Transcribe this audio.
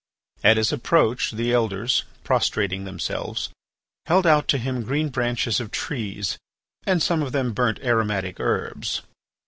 At his approach, the Elders, prostrating themselves, held out to him green branches of trees and some of them burnt aromatic herbs.